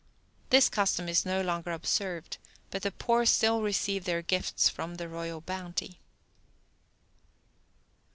This custom is no longer observed, but the poor still receive their gifts from the royal bounty.